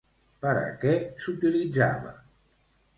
Per a què s'utilitzava?